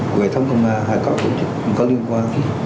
về thống công an hay có tổ chức không có liên quan gì